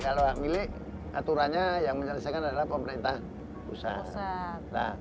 kalau hak milik aturannya yang menyelesaikan adalah pemerintah pusat